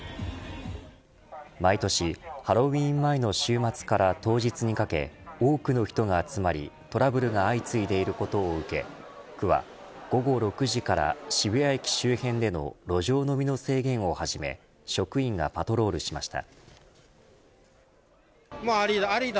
毎年、ハロウィーン前の週末から当日にかけ多くの人が集まり、トラブルが相次いでいることを受け区は午後６時から渋谷駅周辺での路上飲みの制限を始め職員がパトロールしました。